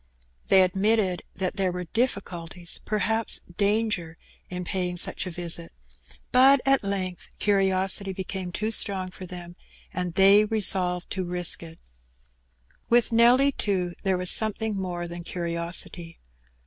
They admitted that there were dif Bculties, perhaps danger, in paying such a visit; but at length curiosity became too strong for them, and they t^solved to risk it. With Nelly, too, there was something more than curiosity.